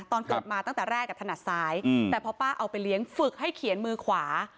ตอนเกิดมาตั้งแต่แรกถนัดซ้ายแต่พอป้าเอาไปเลี้ยงฝึกให้เขียนมือขวา